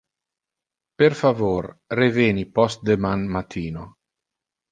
Per favor reveni postdeman matino.